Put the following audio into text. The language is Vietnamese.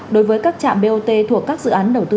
đối với các trạm bot thuộc các dự án đầu tư